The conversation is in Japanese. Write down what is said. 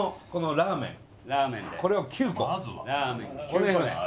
お願いします。